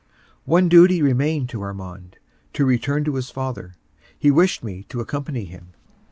One duty remained to Armand—to return to his father. He wished me to accompany him.